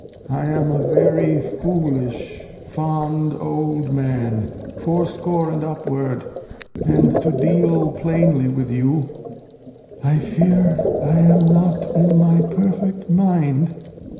I am a very foolish fond old Man, Fourscore and upward ; and to deal plainly with you, I fear I am not in my perfect Mind. Cord.